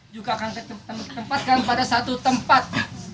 juga akan ditempatkan pada satu tempat